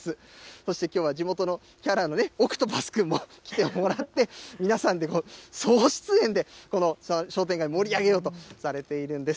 そしてきょうは地元のキャラのおくとぱすくんも来てもらって、皆さんで総出演でこの商店街、盛り上げようとされているんです。